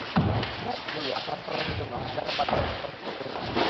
দাদী বললো, আচার পালনের জন্য হাজার বাধা অতিক্রম করতে হবে।